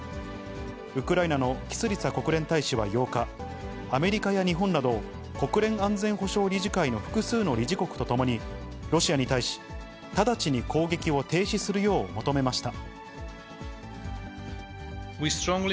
ウクライナのキスリツァ国連大使は８日、アメリカや日本など国連安全保障理事会の複数の理事国と共に、ロシアに対し、直ちに攻撃を停止するよう求めました。